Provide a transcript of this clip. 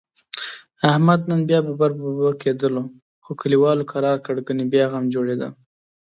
احمد نن بیا ببر ببر کېدلو، خو کلیوالو کرارکړ؛ گني بیا غم جوړیدا.